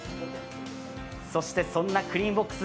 そしてそんなクリームボックス